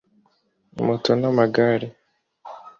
moto n’amagare